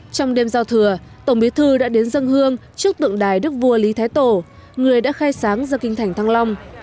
trong đêm giao thừa tổng bí thư đã đến dân hương trước tượng đài đức vua lý thái tổ người đã khai sáng ra kinh thành thăng long